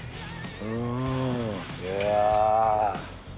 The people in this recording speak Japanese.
うん。いや。